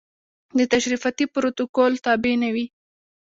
د تشریفاتي پروتوکول تابع نه وي.